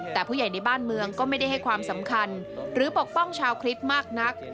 แต่ผู้ใหญ่ในบ้านเมืองก็ไม่ได้ให้ความสำคัญหรือปกป้องชาวคริสต์มากนัก